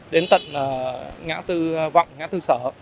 đến tận ngã tư vọng ngã tư sở